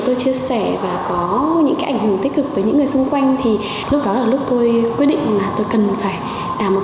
tôi có thể giúp cho mọi người cải thiện được sức khỏe và sống đánh mạnh hơn